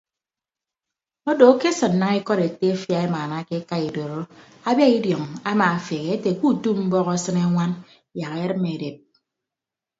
Odo akesịn daña ikọd etefia emaanake eka idoro abia idiọñ amaafeghe ate utu ke mbọk asịne añwan yak edịm edep.